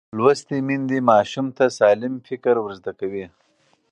لوستې میندې ماشوم ته سالم فکر ورزده کوي.